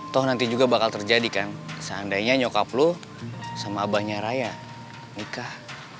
toh nanti juga bakal terjadi kan seandainya nyokaplu sama abahnya raya nikah